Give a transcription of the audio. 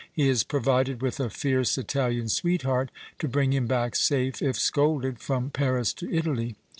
He is provided with a fierce Italian sweetheart, to bring him buck safe, if scolded, from Paris to Italy.